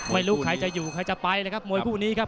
ไม่รู้ใครจะอยู่ใครจะไปเลยครับ